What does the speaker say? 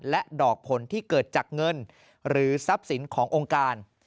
และดอกผลที่เกิดจากเงินหรือทรัพย์สินขององค์การ